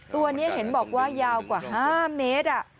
ตัวนี้เห็นบอกว่ายาวกว่า๕เมตร